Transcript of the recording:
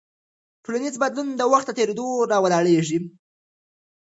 ټولنیز بدلون د وخت له تېرېدو راولاړېږي.